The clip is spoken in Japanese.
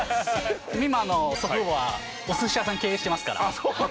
美誠の祖父母はお寿司屋さんを経営していますから。